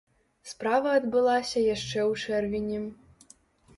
Справа адбылася яшчэ ў чэрвені.